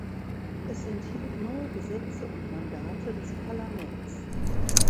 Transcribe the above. Es enthielt neue Gesetze und Mandate des Parlaments.